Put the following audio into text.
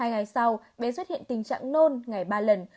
hai ngày sau bé xuất hiện tình trạng nôn ngày ba lần